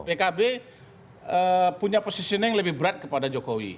pkb punya positioning lebih berat kepada jokowi